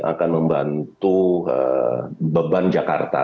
akan membantu beban jakarta